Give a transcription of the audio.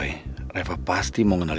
ini aku udah di makam mami aku